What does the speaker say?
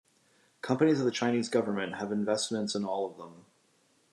Companies of the Chinese government have investments in all of them.